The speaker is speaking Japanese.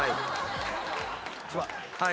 はい。